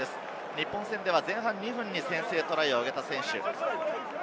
日本戦では前半２分にトライを挙げました。